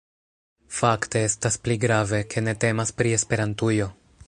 Fakte, estas pli grave, ke ne temas pri Esperantujo